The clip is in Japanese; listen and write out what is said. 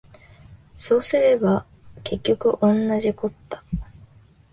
そうすれば結局おんなじこった